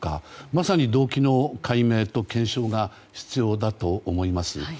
まさに動機の解明と検証が必要だと思います。